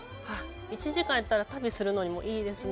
１時間やったら旅するのにもいいですね。